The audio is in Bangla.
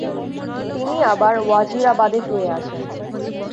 তিনি আবার ওয়াজিরাবাদে ফিরে আসেন।